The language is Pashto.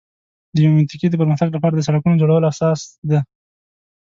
د یوې منطقې د پر مختګ لپاره د سړکونو جوړول اساس دی.